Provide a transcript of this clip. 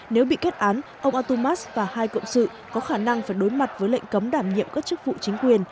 nếu bị kết án ông atumas và hai cộng sự có khả năng phải đối mặt với lệnh cấm đảm nhiệm các chức vụ chính quyền